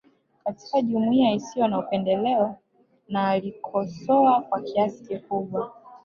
Katika jumuiya isiyo na upendeleo na alikosoa kwa kiasi kikubwa